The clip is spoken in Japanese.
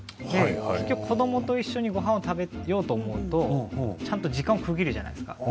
子どもと一緒にごはんを食べようと思うとちゃんと時間を区切るじゃないですか。